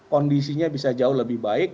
kondisinya bisa jauh lebih baik